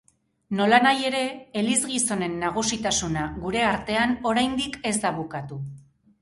Nolanahi ere, elizgizonen nagusitasuna gure artean oraindik ez da bukatu.